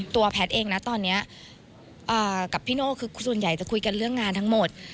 แพทย์เองนะตอนนี้กับพี่โน่คือส่วนใหญ่จะคุยกันเรื่องงานทั้งหมด